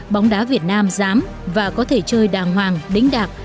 bóng đá việt nam dám và có thể chơi đàng hoàng đính đạc